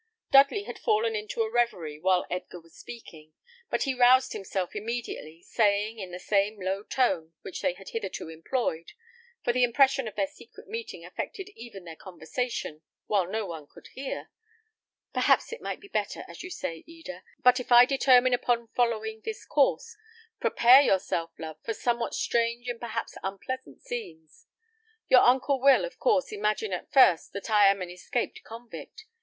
Dudley had fallen into a reverie while Edgar was speaking, but he roused himself immediately, saying, in the same low tone which they had hitherto employed for the impression of their secret meeting affected even their conversation, while no one could hear "Perhaps it might be better, as you say, Eda; but if I determine upon following this course, prepare yourself, love, for somewhat strange and perhaps unpleasant scenes. Your uncle will, of course, imagine at first than I am an escaped convict.